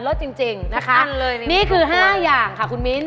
จริงนะคะนี่คือ๕อย่างค่ะคุณมิ้น